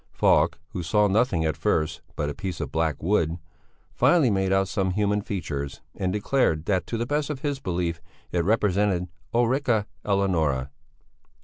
Falk, who saw nothing at first but a piece of black wood, finally made out some human features and declared that to the best of his belief it represented Ulrica Eleonora.